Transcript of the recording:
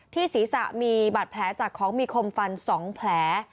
ศีรษะมีบาดแผลจากของมีคมฟัน๒แผล